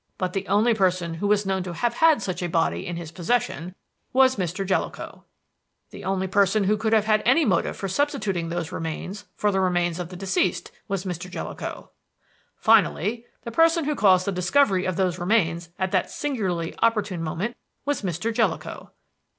But the only person who was known to have had such a body in his possession was Mr. Jellicoe. "The only person who could have had any motive for substituting those remains for the remains of the deceased was Mr. Jellicoe. "Finally, the person who caused the discovery of those remains at that singularly opportune moment was Mr. Jellicoe.